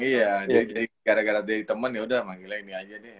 iya gara gara dari temen yaudah manggilnya ini aja nih